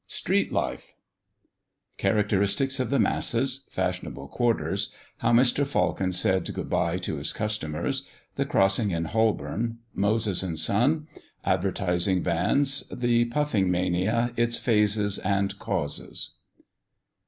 Street Life CHARACTERISTICS OF THE MASSES. FASHIONABLE QUARTERS. HOW MR. FALCON SAID GOOD BYE TO HIS CUSTOMERS. THE CROSSING IN HOLBORN. MOSES AND SON. ADVERTISING VANS. THE PUFFING MANIA, ITS PHASES AND CAUSES.